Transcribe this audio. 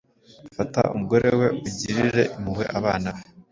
Fata umugore we, ugirire impuhwe abana be,